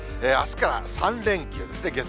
あすから３連休ですね。